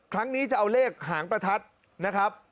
ครั้งนี้จะเอาเลขหางประทัดนะครับ